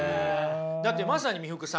だってまさに三福さん